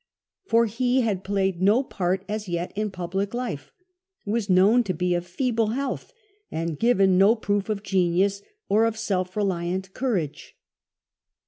For he had played no part as yet in public life, was known to be of feeble health, had given no proof of genius or ol self reliant courage.